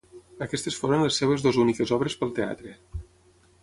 Aquestes foren les seves dues úniques obres pel teatre.